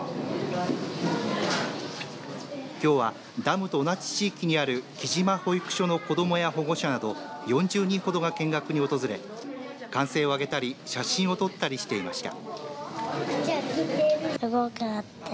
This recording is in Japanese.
きょうはダムと同じ地域にある来島保育所の子どもや保護者など４０人ほどが見学に訪れ歓声を上げたり写真を撮ったりしていました。